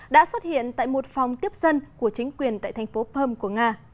đã xuất hiện tại một phòng tiếp dân của chính quyền tại thành phố pom của nga